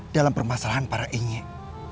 dalam permasalahan para inyek